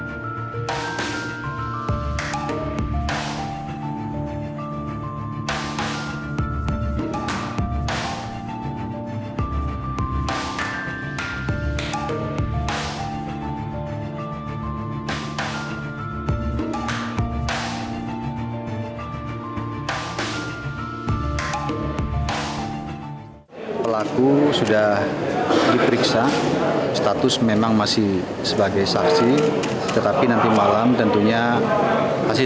hai pelaku sudah diperiksa status memang masih sebagai saksi tetapi nanti malam tentunya masih